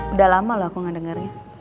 udah lama loh aku gak dengernya